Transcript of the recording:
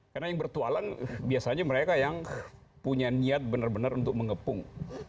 karena yang bertualang biasanya mereka yang punya niat benar benar untuk mengepung